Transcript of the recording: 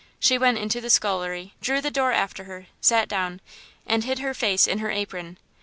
She went into the scullery, drew the door after her, sat down, and hid her face in her apron.